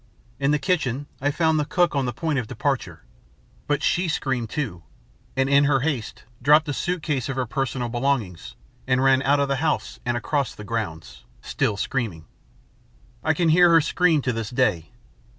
In the kitchen I found the cook on the point of departure. But she screamed, too, and in her haste dropped a suitcase of her personal belongings and ran out of the house and across the grounds, still screaming. I can hear her scream to this day.